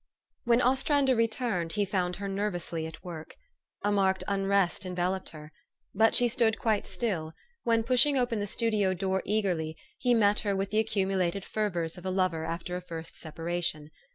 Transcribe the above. When Ostrander returned, he found her nervously at work. A marked unrest enveloped her. But she stood quite still, when, pushing open the studio door eagerly, he met her with the accumulated fervors of a lover after a first separation.